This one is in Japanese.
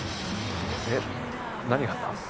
えっ何があった？